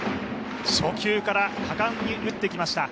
初球から果敢に打ってきました。